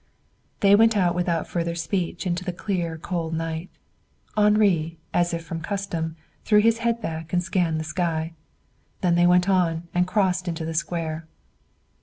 They went out without further speech into the clear cold night. Henri, as if from custom, threw his head back and scanned the sky. Then they went on and crossed into the square.